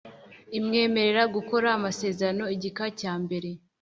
imwemerera gukora amasezerano igika cyambere